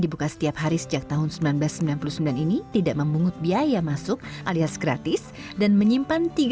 dibuka setiap hari sejak tahun seribu sembilan ratus sembilan puluh sembilan ini tidak memungut biaya masuk alias gratis dan menyimpan